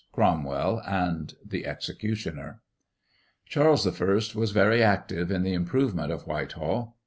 Cromwell, and the executioner. Charles I. was very active in the improvement of Whitehall.